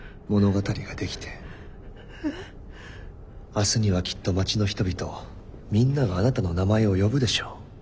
明日にはきっと町の人々みんながあなたの名前を呼ぶでしょう。